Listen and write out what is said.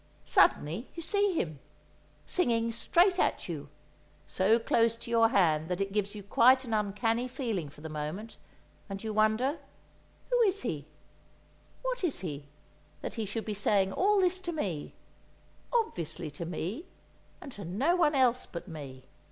Suddenly you see him, singing straight at you, so close to your hand that it gives you quite an uncanny feeling for the moment; and you wonder: Who is he—what is he—that he should be saying all this to me, obviously to me, and to no one else but me?